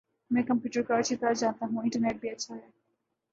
میں کمپیوٹرکو اچھی طرح جانتا ہوں انٹرنیٹ بھی اچھا ہے